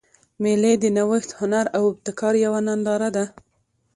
مېلې د نوښت، هنر او ابتکار یوه ننداره ده.